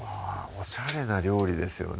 おしゃれな料理ですよね